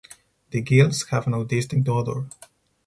The gills have no distinct odour.